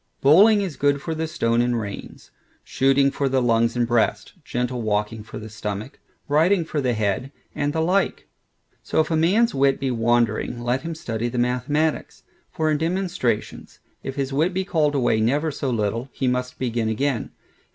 Bowling is good for the stone and reins; shooting for the lungs and breast; gentle walking for the stomach; riding for the head; and the like. So if a man's wit be wandering, let him study the mathematics; for in demonstrations, if his wit be called away never so little, he must begin again.